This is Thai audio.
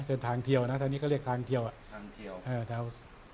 เป็นทางเดียวนะตอนนี้ก็เรียกทางเที่ยวอ่ะทางเทียวเทา